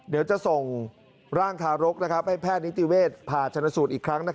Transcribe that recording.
เดี๋ยวจะส่งร่างทารกให้แพทย์นิติเวชผ่าชนสูตรอีกครั้ง